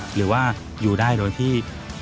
หรือว่าอยู่ได้โดยที่